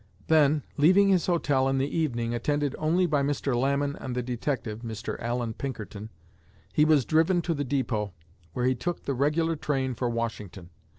Then, leaving his hotel in the evening, attended only by Mr. Lamon and the detective (Mr. Allan Pinkerton), he was driven to the depot, where he took the regular train for Washington.